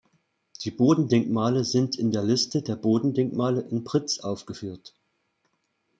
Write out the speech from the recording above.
Die Bodendenkmale sind in der Liste der Bodendenkmale in Britz aufgeführt.